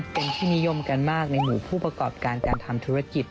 เป็นที่นิยมกันมากในหมู่ผู้ประกอบการการทำธุรกิจ